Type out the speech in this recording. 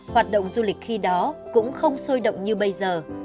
hoạt động du lịch khi đó cũng không sôi động như bây giờ